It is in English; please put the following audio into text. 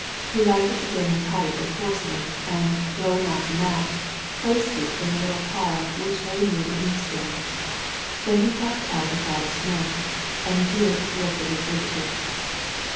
He lighted a German pipe of porcelain, and, blowing out the match, placed it in a little pile which lay near the inkstand. Then he puffed out a cloud of smoke, and through it looked at his visitor.